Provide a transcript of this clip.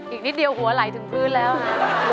อีกนิดหน่อยหัวไหลถึงฟื้นแล้วฮะ